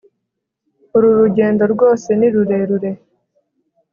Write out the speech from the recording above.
uru rugendo rwose ni rurerure